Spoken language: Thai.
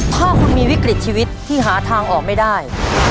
ถ้าคุณมีวิกฤตชีวิตที่หาทางออกไม่ได้